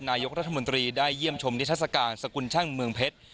นายกรัฐมนตรีได้เยี่ยมชมนิทัศกาลสกุลช่างเมืองเพชร